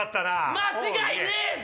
間違いねえぜ‼